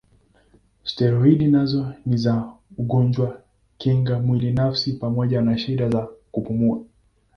Steroidi nazo ni za ugonjwa kinga mwili nafsi pamoja na shida za kupumua.